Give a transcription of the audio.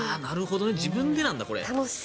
自分でなんだ、これ。